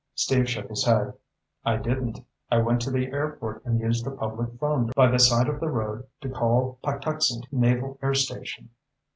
Steve shook his head. "I didn't. I went to the airport and used a public phone booth by the side of the road to call Patuxent Naval Air Station.